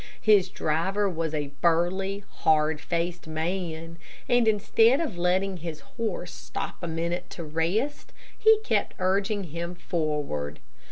His driver was a burly, hard faced man, and instead of letting his horse stop a minute to rest he kept urging him forward.